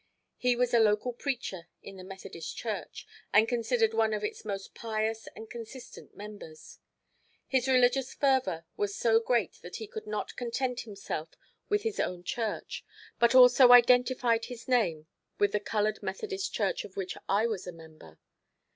He was a local preacher in the Methodist Church, and considered one of its most pious and consistent members. His religious fervor was so great that he could not content himself with his own church, but also identified his name with the colored Methodist Church of which I was a member.